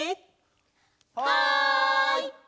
はい！